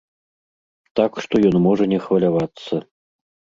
Так што ён можа не хвалявацца.